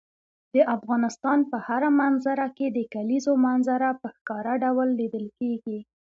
د افغانستان په هره منظره کې د کلیزو منظره په ښکاره ډول لیدل کېږي.